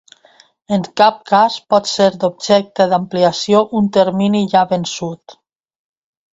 En cap cas pot ser objecte d’ampliació un termini ja vençut.